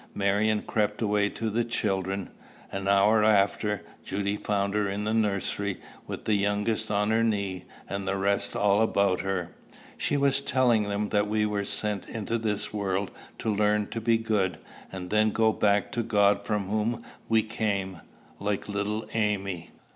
Marion crept away to the children. An hour after, Judy found her in the nursery, with the youngest on her knee, and the rest all about her. She was telling them that we were sent into this world to learn to be good, and then go back to God from whom we came, like little Amy.